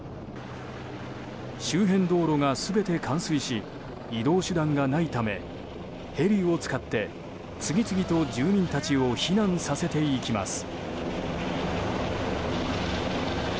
周辺道路が全て冠水し移動手段がないためヘリを使って次々と住民たちを避難させていきます。